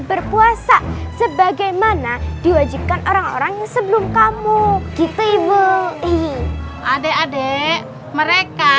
berpuasa sebagaimana diwajibkan orang orang yang sebelum kamu gitu ibu adek adek mereka